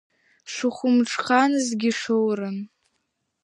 Шыхәымҽханызгьы шоуран.